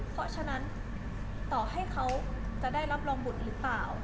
เพราะฉะนั้นต่อให้เขาจะได้รับรองบุตรหรือเปล่า